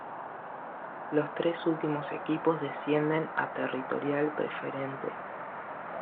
Los tres últimos equipos descienden a Territorial Preferente.